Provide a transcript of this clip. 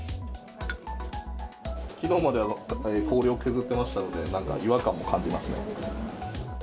きのうまでは氷を削ってましたので、なんか違和感を感じますね。